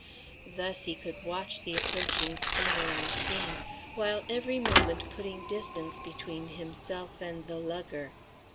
Thus he could watch the approaching steamer unseen, while every moment putting distance between himself and the lugger.